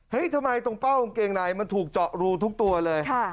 ทำไมตรงเป้ากางเกงในมันถูกเจาะรูทุกตัวเลย